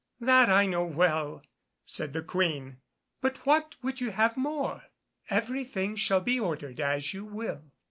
"That I know well," said the Queen, "but what would you have more? Everything shall be ordered as you will."